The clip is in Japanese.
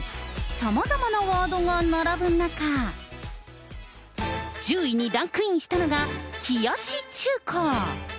さまざまなワードが並ぶ中、１０位にランクインしたのが、冷やし中華。